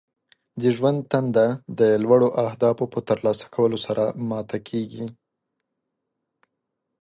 د زړه تنده د لوړو اهدافو په ترلاسه کولو سره ماته کیږي.